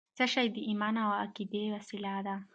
څه شی د ایمان او عقیدې وسله ده؟